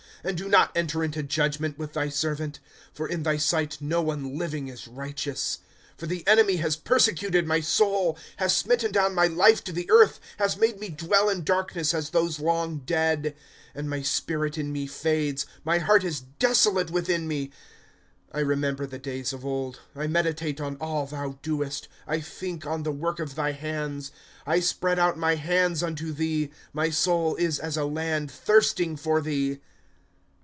^ And do not enter into judgment with thy servant ; For in thy sight no one living is righteous. ^ For the enemy has persecuted my soul, Has smitten down my hfe to the earth, Has made me dwell in darkness as those long dead. * And my spirit in me faints, My heart is desolate within me. * I remember the days of old ; I meditate on all thou doest, I think on the work of thy hands. * I spread out my hands unto thee ; My soul is as a land thirsting for thee.